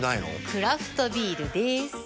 クラフトビールでーす。